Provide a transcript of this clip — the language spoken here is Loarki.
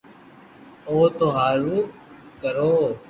او ٿو ھارو ڪرو